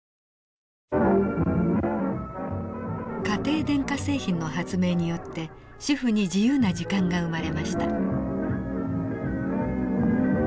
家庭電化製品の発明によって主婦に自由な時間が生まれました。